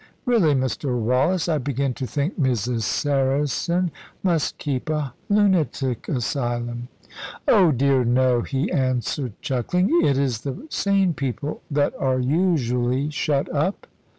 Really, Mr. Wallace, I begin to think Mrs. Saracen must keep a lunatic asylum." "Oh dear no," he answered, chuckling. "It is the sane people that are usually shut up."